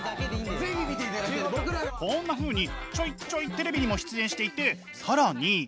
こんなふうにちょいちょいテレビにも出演していて更に。